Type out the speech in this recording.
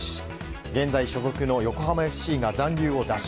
現在所属の横浜ＦＣが残留を打診。